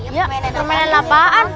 iya permainan apaan